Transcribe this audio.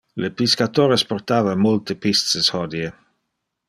Le piscatores portava multes pisces hodie.